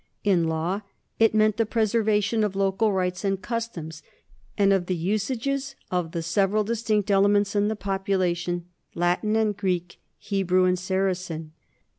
In law it meant the preservation of local rights and customs and of the usages of the several distinct ele ments in the population, Latin and Greek, Hebrew and Saracen.